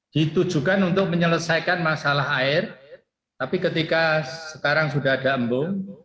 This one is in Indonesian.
ditujukan untuk menyelesaikan masalah air tapi ketika sekarang sudah ada embung